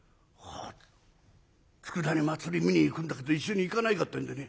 佃に祭り見に行くんだけど一緒に行かないかってんでね